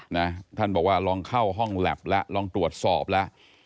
นะท่านบอกว่าลองเข้าห้องแล็บแล้วลองตรวจสอบแล้ว